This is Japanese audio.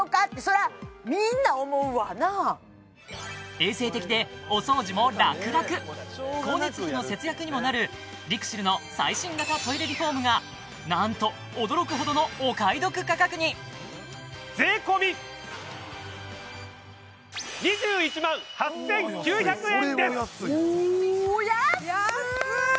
衛生的でお掃除もらくらく光熱費の節約にもなるＬＩＸＩＬの最新型トイレリフォームがなんと驚くほどのお買い得価格に税込お安い！